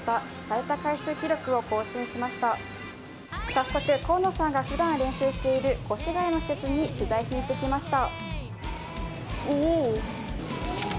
早速、河野さんがふだん練習している越谷の施設に取材しに行ってきました。